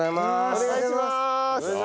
お願いします！